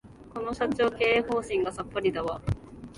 この社長、経営方針がさっぱりだわ